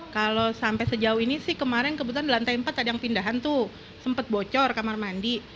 kalau sampai sejauh ini sih kemarin kebetulan di lantai empat ada yang pindahan tuh sempat bocor kamar mandi